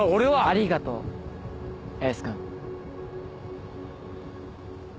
ありがとうエース君。